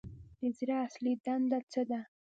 د زړه اصلي دنده څه ده